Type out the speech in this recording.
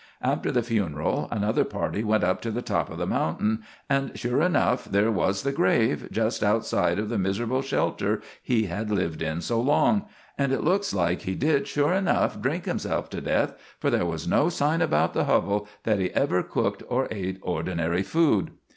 After the funeral another party went up to the top of the mountain, and, sure enough, there was the grave, just outside of the miserable shelter he had lived in so long; and it looks like he did, sure enough, drink himself to death, for there was no sign about the hovel that he ever cooked or ate ordinary food.